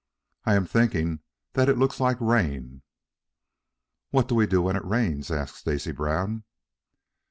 "I am thinking that it looks like rain." "What do we do when it rains?" asked Stacy Brown.